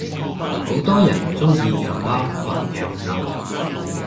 好多人鐘意養貓或養狗